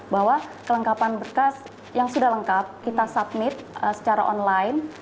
bahwa kelengkapan berkas yang sudah lengkap kita submit secara online